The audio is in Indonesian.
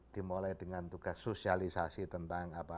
dimulai dengan tugas sosialisasi tentang apa